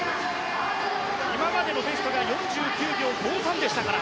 今までのベストが４９秒５３でしたから。